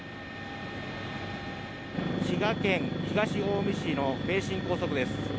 滋賀県東近江市の名神高速です。